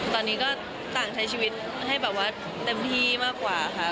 ตอนนี้ก็ต่างใช้ชีวิตให้แบบว่าเต็มที่มากกว่าค่ะ